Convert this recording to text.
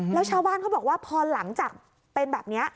แล้วชาวบ้านเขาบอกว่าพอหลังจากเป็นแบบนี้